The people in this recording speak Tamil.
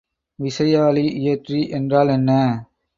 விசையாழி இயற்றி என்றால் என்ன?